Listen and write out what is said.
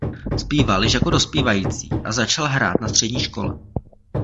Zpíval již jako dospívající a začal hrát na střední škole.